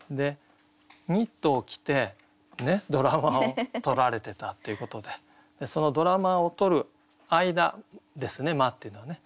ニットを着てドラマを撮られてたっていうことでドラマを撮る間ですね「間」っていうのはね